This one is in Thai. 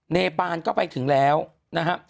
เนปานก็ไปถึงแล้วนะฮะ